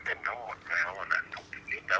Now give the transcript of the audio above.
คุณพ่อได้จดหมายมาที่บ้าน